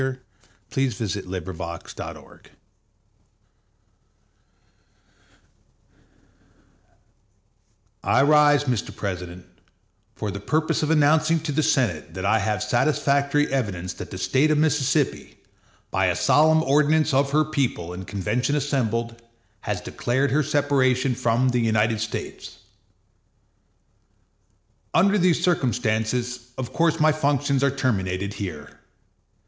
1906. Jefferson Davis On Withdrawing from the Union I RISE, Mr. President, for the purpose of announcing to the Senate that I have satisfactory evidence that the State of Mississippi, by a solemn ordinance of her people in convention assembled, has declared her separation from the United States. Under these circumstances, of course my functions are terminated here.